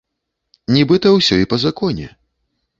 Нібыта ўсё і па законе.